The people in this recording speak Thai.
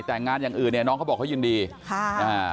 แต่งานอย่างอื่นเนี่ยน้องเขาบอกเขายินดีค่ะอ่า